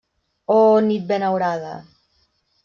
Oh nit benaurada!